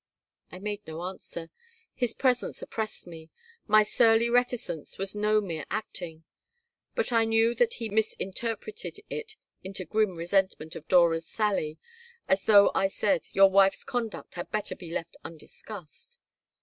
I made no answer. His presence oppressed me. My surly reticence was no mere acting. But I knew that he misinterpreted it into grim resentment of Dora's sally, as though I said, "Your wife's conduct had better be left undiscussed."